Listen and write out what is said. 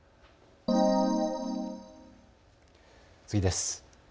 次です。